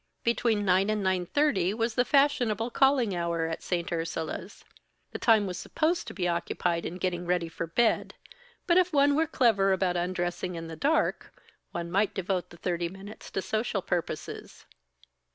Between nine and nine thirty was the fashionable calling hour at St. Ursula's. The time was supposed to be occupied in getting ready for bed, but if one were clever about undressing in the dark, one might devote the thirty minutes to social purposes.